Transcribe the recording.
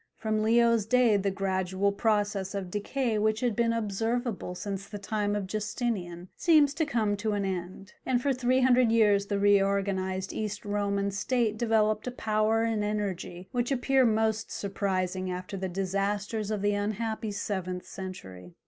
From Leo's day the gradual process of decay which had been observable since the time of Justinian seems to come to an end, and for three hundred years the reorganized East Roman state developed a power and energy which appear most surprising after the disasters of the unhappy seventh century.